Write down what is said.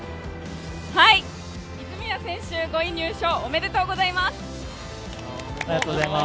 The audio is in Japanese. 泉谷選手、５位入賞おめでとうございます！